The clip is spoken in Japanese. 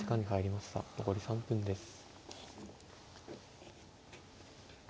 残り３分です。